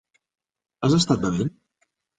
Has estat bevent?